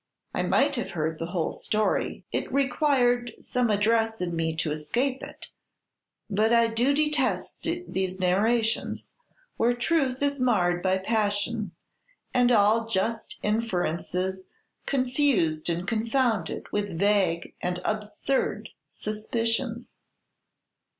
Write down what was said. I might have heard the whole story. It required some address in me to escape it; but I do detest these narrations, where truth is marred by passion, and all just inferences confused and confounded with vague and absurd suspicions.